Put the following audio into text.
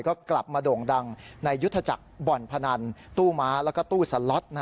ก็กลับมาโด่งดังในยุทธจักรบ่อนพนันตู้ม้าแล้วก็ตู้สล็อต